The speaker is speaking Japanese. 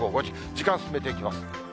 時間進めていきます。